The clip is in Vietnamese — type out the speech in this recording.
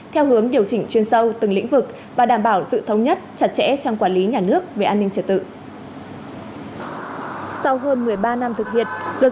theo hướng điều chỉnh chuyên sâu từng lĩnh vực và đảm bảo sự thống nhất chặt chẽ trong quản lý nhà nước về an ninh trật tự